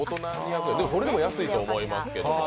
でも、それでも安いと思いますけどね。